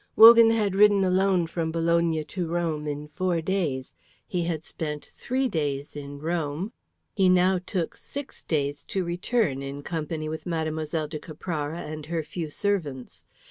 Wogan had ridden alone from Bologna to Rome in four days; he had spent three days in Rome; he now took six days to return in company with Mlle. de Caprara and her few servants.